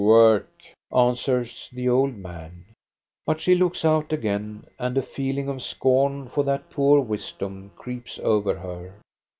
"" Work," answers the old man. But she looks out again, and a feeling of scorn for that poor wisdom creeps over her.